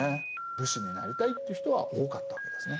武士になりたいっていう人は多かったわけですね。